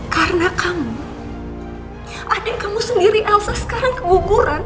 karena kamu adem kamu sendiri elsa sekarang keguguran